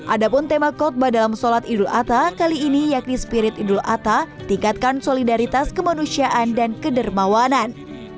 ada pun tema kotba dalam solat idul atta kali ini yakni spirit idul atta tingkatkan solidaritas kemanusiaan dan kedermawanan